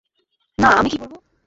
না, আমি কি বলব?